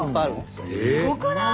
すごくない？